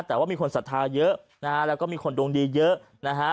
แต่ว่ามีคนศรัทธาเยอะนะฮะแล้วก็มีคนดวงดีเยอะนะฮะ